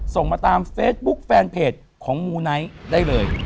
ส่งมาตามเฟซบุ๊คแฟนเพจของมูไนท์ได้เลย